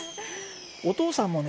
お父さんもね